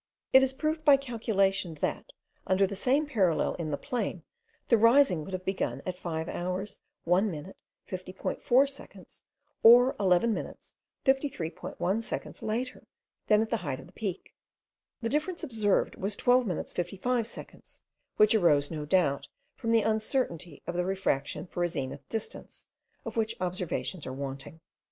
It is proved by calculation that, under the same parallel in the plain, the rising would have begun at 5 hours 1 minute 50.4 seconds, or 11 minutes 51.3 seconds later than at the height of the peak. The difference observed was 12 minutes 55 seconds, which arose no doubt from the uncertainty of the refraction for a zenith distance, of which observations are wanting.